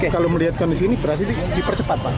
kalau melihatkan di sini berhasil dipercepat pak